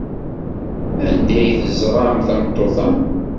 Anda ay teẓram tameṭṭut-a?